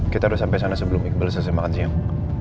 kita sudah sampai sana sebelum iqbal selesai makan siang